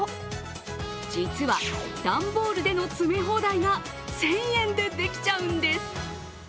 実は段ボールでの詰め放題が１０００円でできちゃうんです。